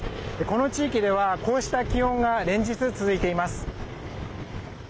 この地域では、こうした気温が連日、続いています。